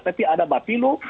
tapi ada bapilu